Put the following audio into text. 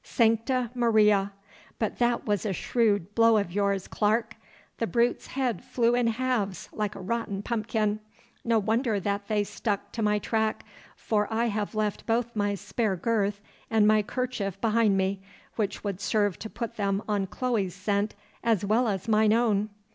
Sancta Maria! but that was a shrewd blow of yours, Clarke! The brute's head flew in halves like a rotten pumpkin. No wonder that they stuck to my track, for I have left both my spare girth and my kerchief behind me, which would serve to put them on Chloe's scent as well as mine own.